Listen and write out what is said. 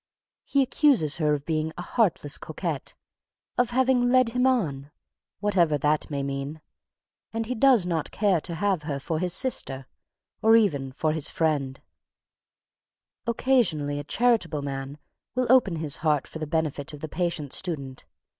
He accuses her of being "a heartless coquette," of having "led him on," whatever that may mean, and he does not care to have her for his sister, or even for his friend. [Sidenote: Original Research] Occasionally a charitable man will open his heart for the benefit of the patient student.